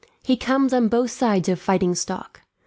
He comes on both sides of a fighting stock.